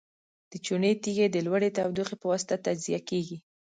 د چونې تیږې د لوړې تودوخې په واسطه تجزیه کیږي.